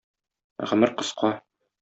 Гомер кыска.